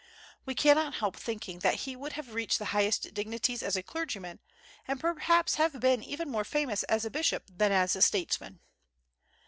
We cannot help thinking that he would have reached the highest dignities as a clergyman, and perhaps have been even more famous as a bishop than as a statesman.